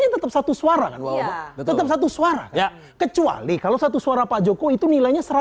tetap satu suara kan tetap satu suara ya kecuali kalau satu suara pak jokowi itu nilainya